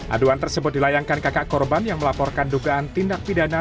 aduan tersebut dilayangkan kakak korban yang melaporkan dugaan tindak pidana